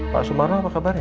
pak sumaro apa kabarnya